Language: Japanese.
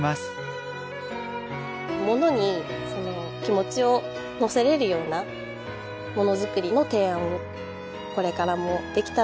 ものに気持ちをのせられるようなもの作りの提案をこれからもできたらいいなと。